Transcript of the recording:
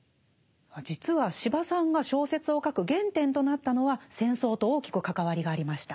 実は司馬さんが小説を書く原点となったのは戦争と大きく関わりがありました。